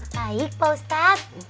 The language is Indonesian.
baik pak mustaq